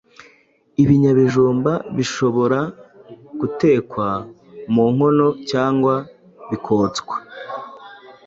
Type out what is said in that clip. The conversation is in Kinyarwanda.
Ibinyabijumba bishobora gutekwa mu nkono cyangwa bikotswa.